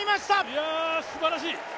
いや、すばらしい。